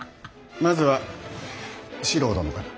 まずは四郎殿から。